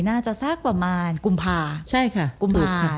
น่าจะสักประมาณกุมภาคม